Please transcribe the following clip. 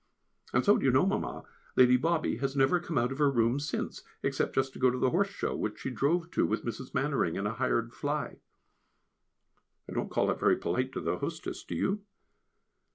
And so, do you know, Mamma, Lady Bobby has never come out of her room since, except just to go to the Horse Show, which she drove to with Mrs. Mannering in a hired fly. I don't call it very polite to the hostess, do you?